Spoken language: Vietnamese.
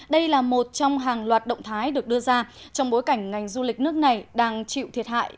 đây là một trong hàng loạt động thái được đưa ra trong bối cảnh ngành du lịch nước này đang chịu thiệt hại